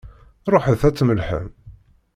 Ṛuḥet ad tmellḥem!